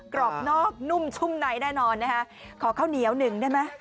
กรอบนอกนุ่มชุ่มในแน่นอนนะคะขอข้าวเหนียวหนึ่งได้ไหม